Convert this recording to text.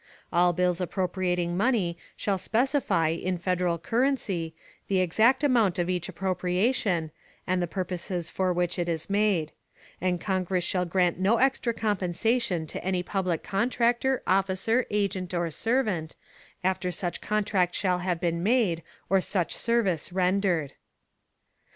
_ _All bills appropriating money shall specify, in Federal currency, the exact amount of each appropriation, and the purposes for which it is made; and Congress shall grant no extra compensation to any public contractor, officer, agent, or servant, after such contract shall have been made or such service rendered_.